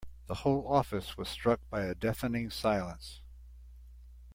The whole office was struck by a deafening silence.